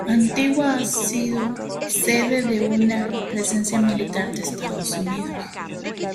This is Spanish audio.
Antigua ha sido sede de una presencia militar de Estados Unidos.